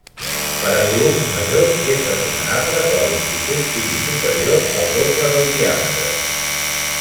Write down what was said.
Per a volums majors és recomanable que la longitud sigui superior al doble del diàmetre.